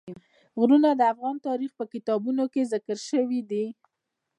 غرونه د افغان تاریخ په کتابونو کې ذکر شوی دي.